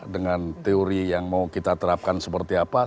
dengan teori yang mau kita terapkan seperti apa